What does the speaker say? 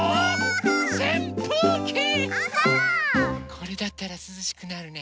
これだったらすずしくなるね。